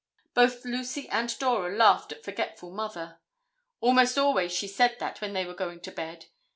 Both Lucy and Dora laughed at forgetful Mother. Almost always she said that when they were going to bed.